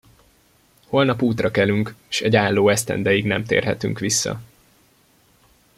Holnap útra kelünk, s egy álló esztendeig nem térhetünk vissza.